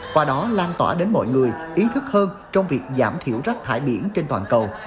qua đó lan tỏa đến mọi người ý thức hơn trong việc giảm thiểu rác thải biển trên toàn cầu